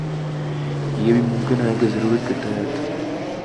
یہ بھی ممکن ہے کہہ ضرورت کے تحت